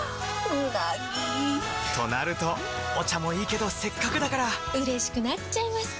うなぎ！となるとお茶もいいけどせっかくだからうれしくなっちゃいますか！